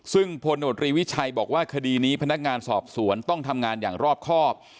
ซึ่งพลโนตรีวิชัยบอกว่าคดีนี้พนักงานสอบสวนต้องทำงานอย่างรอบครอบ